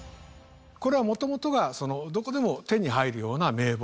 これは元々がどこでも手に入るような名簿。